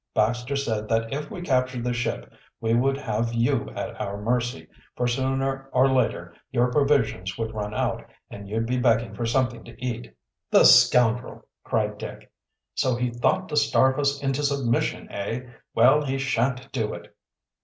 Baxter said that if we captured the ship we would have you at our mercy, for sooner or later your provisions would run out, and you'd be begging for something to eat." "The scoundrel!" cried Dick. "So he thought to starve us into submission, eh? Well, he shan't do it."